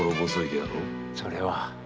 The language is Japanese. それは。